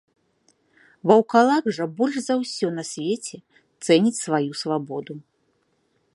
Ваўкалак жа больш за ўсё на свеце цэніць сваю свабоду.